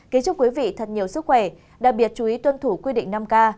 kính chúc quý vị thật nhiều sức khỏe đặc biệt chú ý tuân thủ quy định năm k